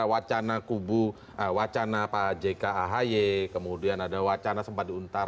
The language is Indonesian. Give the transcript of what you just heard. wacana kubu wacana pak jkahy kemudian ada wacana sempat diuntungkan